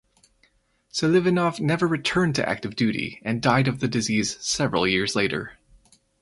Selivanov never returned to active duty and died of the disease several years later.